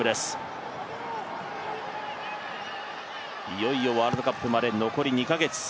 いよいよワールドカップまで残り２カ月。